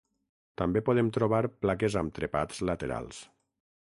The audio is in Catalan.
També podem trobar plaques amb trepats laterals.